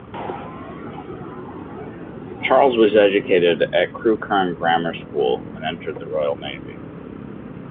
Charles was educated at Crewkerne Grammar School and entered the Royal Navy.